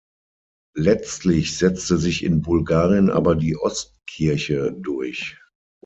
Letztlich setzte sich in Bulgarien aber die Ostkirche durch.